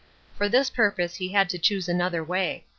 For this purpose he had to choose another way.